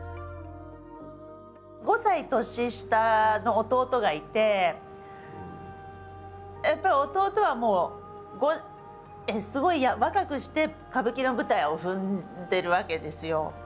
５歳年下の弟がいてやっぱり弟はもうすごい若くして歌舞伎の舞台を踏んでるわけですよ。